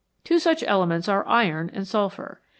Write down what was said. Two such elements are iron and sulphur.